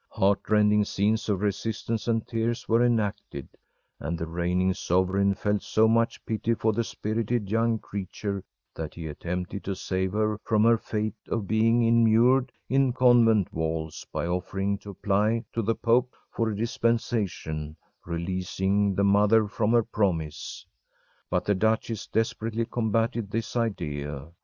Heartrending scenes of resistance and tears were enacted, and the reigning sovereign felt so much pity for the spirited young creature that he attempted to save her from her fate of being immured in convent walls by offering to apply to the pope for a dispensation releasing the mother from her promise. But the duchess desperately combated this idea.